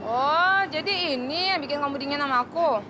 oh jadi ini yang bikin kamu dingin sama aku